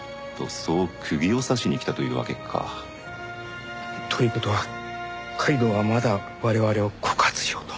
そう釘を刺しに来たというわけか。という事は皆藤はまだ我々を告発しようと？